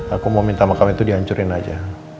aku mau minta makam itu dihancurin aja